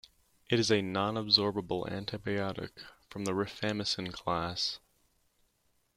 It is a nonabsorbable antibiotic from the rifamycin class.